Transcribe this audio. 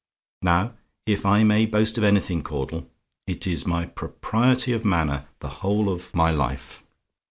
Now, if I may boast of anything, Caudle, it is my propriety of manner the whole of my life.